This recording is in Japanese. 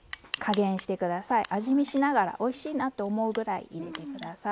味見しながらおいしいなって思うぐらい入れて下さい。